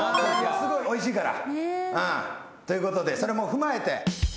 すごいおいしいから。ということでそれも踏まえて。